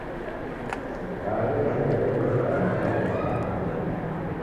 Serikale yazerelo izighane mtalo ghwa w'andu.